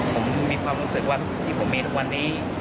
ผมมีความรู้สึกว่าที่ผมมีทุกวันนี้